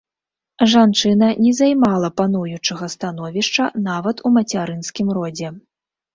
Жанчына не займала пануючага становішча нават у мацярынскім родзе.